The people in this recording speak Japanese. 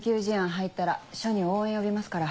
入ったら署に応援呼びますから。